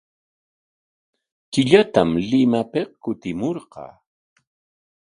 Killatam Limapik kutimunqa.